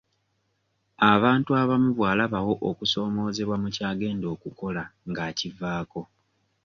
Abantu abamu bw'alabawo okusoomoozebwa mu kyagenda okukola ng'akivaako.